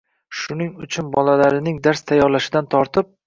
Shuning uchun bolalarining dars tayyorlashidan tortib